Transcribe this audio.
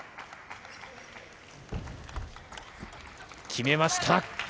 決めました。